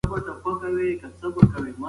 دا نیم سوځېدلی سګرټ د یو چا د بې پروایۍ نښه وه.